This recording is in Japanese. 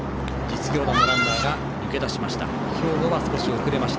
実業団のランナーが抜け出しました。